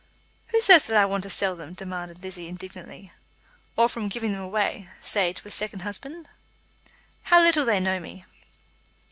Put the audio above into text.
"Who says that I want to sell them?" demanded Lizzie indignantly. "Or from giving them away, say to a second husband." "How little they know me!"